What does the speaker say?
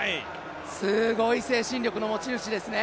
すごい精神力の持ち主ですね。